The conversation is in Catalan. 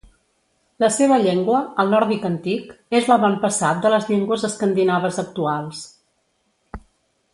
La seva llengua, el nòrdic antic, és l'avantpassat de les llengües escandinaves actuals.